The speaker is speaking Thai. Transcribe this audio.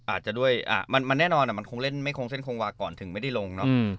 อาจจะด้วยมันแน่นอนมันคงเล่นไม่คงเส้นคงวาก่อนถึงไม่ได้ลงเนอะ